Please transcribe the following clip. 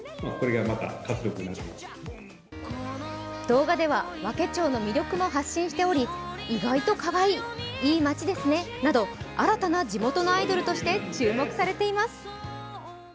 動画では和気町の魅力も発信しており、意外とかわいい、いい町ですねなど新たな地元のアイドルとして注目されています。